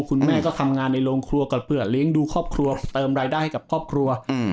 คุณแม่ก็ทำงานในโรงครัวก่อนเพื่อเลี้ยงดูครอบครัวเติมรายได้ให้กับครอบครัว